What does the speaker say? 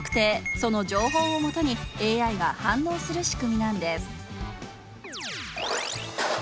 その情報をもとにＡＩが反応する仕組みなんです。